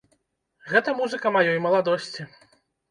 Гэта музыка маёй маладосці.